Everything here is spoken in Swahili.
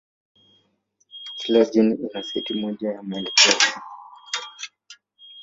Kila jeni ina seti moja ya maelekezo.